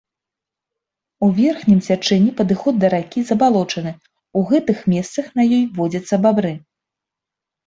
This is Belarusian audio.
У верхнім цячэнні падыход да ракі забалочаны, у гэтых месцах на ёй водзяцца бабры.